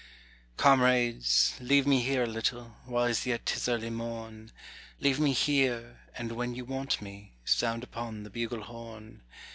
Comrades, leave me here a little, while as yet 'tis early morn, Leave me here, and when you want me, sound upon the bugle horn.